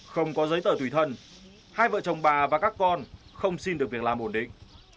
không có giấy tờ tùy thân hai vợ chồng bà và các con không xin được việc làm ổn định